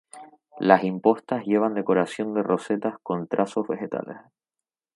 Las impostas llevan decoración de rosetas con trazos vegetales.